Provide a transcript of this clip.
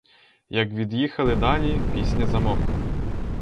Як від'їхали далі, пісня замовкла.